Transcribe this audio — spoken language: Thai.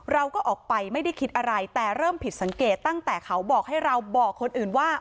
เราก็ออกไปไม่ได้คิดอะไรแต่เริ่มผิดสังเกตตั้งแต่เขาบอกให้เราบอกคนอื่นว่า